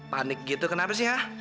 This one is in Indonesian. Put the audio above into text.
panik gitu kenapa sih ya